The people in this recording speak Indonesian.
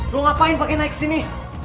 lo ngapain pake naik kesini